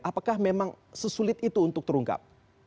apakah memang sesulit itu untuk terungkap